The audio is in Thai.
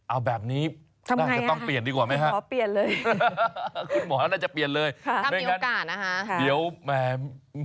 เอาแบบนี้น่าจะต้องเปลี่ยนดีกว่าไหมฮะคุณหมอน่าจะเปลี่ยนเลยไม่อย่างนั้นเดี๋ยวแม่ม